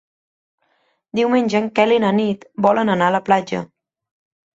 Diumenge en Quel i na Nit volen anar a la platja.